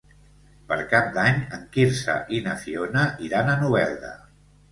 Per Cap d'Any en Quirze i na Fiona iran a Novelda.